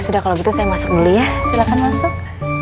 sudah kalau gitu saya masuk dulu ya silakan masuk